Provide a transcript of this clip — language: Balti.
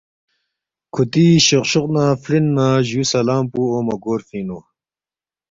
کھوتی شوق شوق نہ فلن نہ جو سلام پو اونگمہ گورفنگ نو